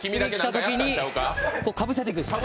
かぶせていくんですね。